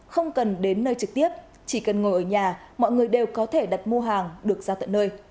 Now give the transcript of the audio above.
không cần đến nơi trực tiếp chỉ cần ngồi ở nhà mọi người đều có thể đặt mua hàng được ra tận nơi